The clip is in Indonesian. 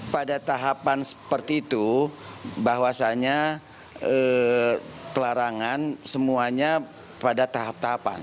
pada tahapan seperti itu bahwasannya pelarangan semuanya pada tahap tahapan